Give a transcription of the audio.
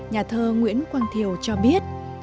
nhà thơ nguyễn quang thiều cho biết